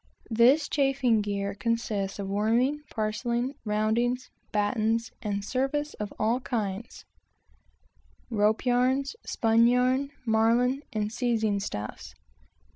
This chafing gear consists of worming, parcelling, roundings, battens, and service of all kinds both rope yarns, spun yarn, marline and seizing stuffs.